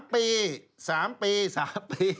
๓ปี๓ปี๓ปี